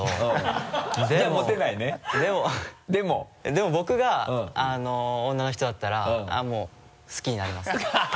でも僕が女の人だったらもう好きになります。